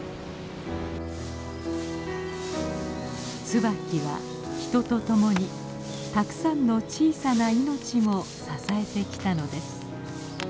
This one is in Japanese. ツバキは人と共にたくさんの小さな命も支えてきたのです。